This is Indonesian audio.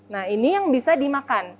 nah ini yang bisa dimakan